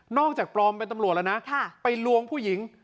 จากปลอมเป็นตำรวจแล้วนะไปลวงผู้หญิง